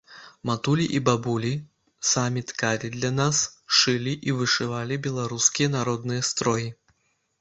Матулі і бабулі самі ткалі для нас, шылі і вышывалі беларускія народныя строі.